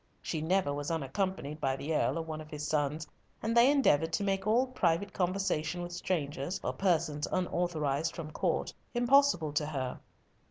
She never was unaccompanied by the Earl or one of his sons, and they endeavoured to make all private conversation with strangers, or persons unauthorised from Court, impossible to her.